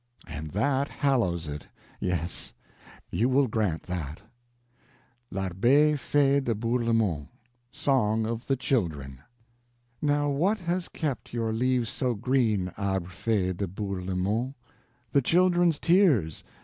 And that hallows it, yes, you will grant that: L'ARBRE FEE DE BOURLEMONT SONG OF THE CHILDREN Now what has kept your leaves so green, Arbre Fee de Bourlemont? The children's tears!